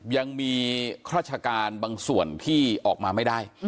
ยังมีราชการบางส่วนที่ออกมาไม่ได้